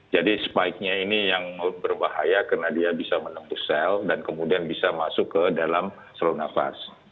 jadi spikenya ini yang berbahaya karena dia bisa menempuh sel dan kemudian bisa masuk ke dalam saluran nafas